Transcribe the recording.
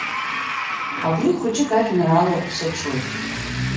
Абри хәыҷык ажәеинраала арԥсыҽуеит.